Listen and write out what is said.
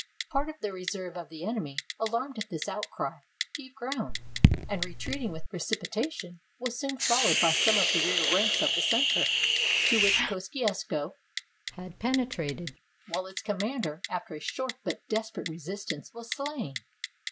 Part of the reserve of the enemy, alarmed at this outcry, gave ground, and retreating with precipitation, was soon followed by some of the rear ranks of the center, to which Kosciusko 153 RUSSIA had penetrated, while its commander, after a short but desperate resistance, was slain.